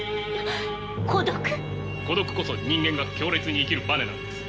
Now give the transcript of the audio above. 孤独こそ人間が強烈に生きるバネなのです。